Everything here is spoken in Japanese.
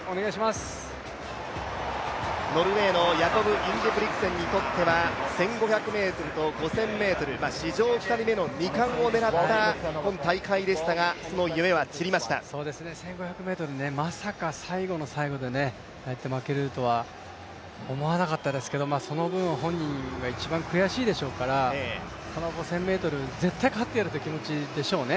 ノルウェーのヤコブ・インゲブリクセンにとっては史上２人目の２冠を狙った今大会でしたが、１５００ｍまさか最後の最後でああやって負けるとは思わなかったですけどその分、本人が一番悔しいでしょうから、この５０００ｍ絶対勝ってやるって気持ちでしょうね。